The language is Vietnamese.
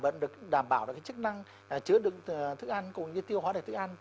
nó đảm bảo được cái chức năng chữa đựng thức ăn cũng như tiêu hóa được thức ăn